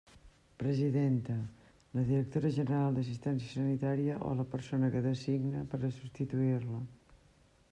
Presidenta: la directora general d'Assistència Sanitària o la persona que designe per a substituir-la.